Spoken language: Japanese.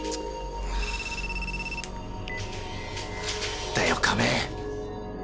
何だよ亀！